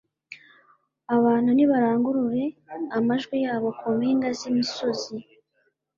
Abantu nibarangururire amajwi yabo ku mpinga z imisozi